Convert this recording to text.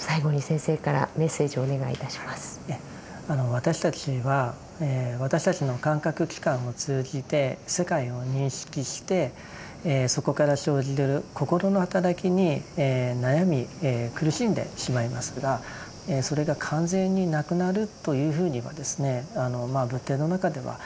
私たちは私たちの感覚器官を通じて世界を認識してそこから生じる心の働きに悩み苦しんでしまいますがそれが完全になくなるというふうには仏典の中では書かれていません。